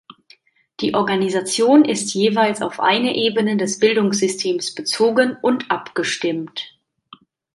Die Organisation ist jeweils auf eine Ebene des Bildungssystems bezogen und abgestimmt.